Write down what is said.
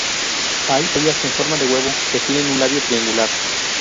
Hay ollas en forma de huevo que tienen un labio triangular.